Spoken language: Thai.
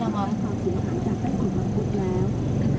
ก็ต้องมาถึงจุดตรงนี้ก่อนใช่ไหม